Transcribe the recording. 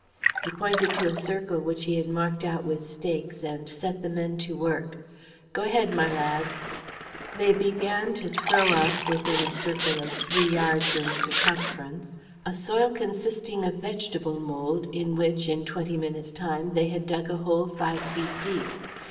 He pointed to a circle which he had marked out with stakes, and set the men to work: "Go ahead, my lads." They began to throw up, within a circle of three yards in circumference, a soil consisting of vegetable mold in which, in twenty minutes' time, they had dug a hole five feet deep.